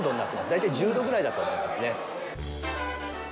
大体１０度ぐらいだと思いますね。